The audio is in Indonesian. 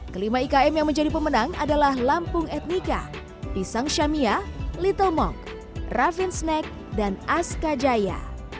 kelima ikm yang menjadi pemenang adalah lampung etnika pisang shamia little mongk rafin snack dan aska jaya